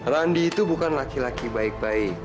randi itu bukan laki laki baik baik